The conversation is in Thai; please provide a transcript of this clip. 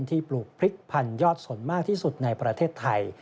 ปลูกพริกพันธยอดสนมากที่สุดในประเทศไทย